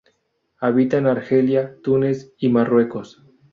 Habita en Argelia, Túnez y Marruecos.